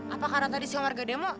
apa karena tadi siang warga demo